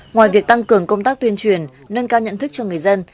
ngoài việc tăng cường công tác tuyên truyền nâng cao nhận thức cho người dân